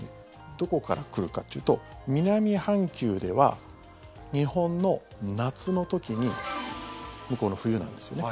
どこから来るかっていうと南半球では日本の夏の時に向こうの冬なんですよね。